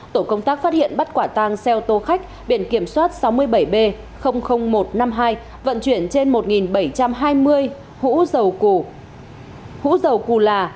tổ công tác phát hiện bắt quả tang xe ô tô khách biển kiểm soát sáu mươi bảy b một trăm năm mươi hai vận chuyển trên một bảy trăm hai mươi hũ dầu cù là